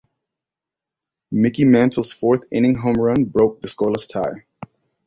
Mickey Mantle's fourth-inning home run broke the scoreless tie.